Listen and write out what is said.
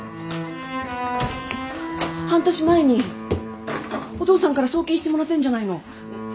半年前にお父さんから送金してもらってんじゃないの。